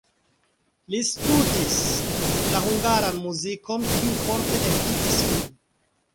Li studis la hungaran muzikon, kiu forte efikis lin.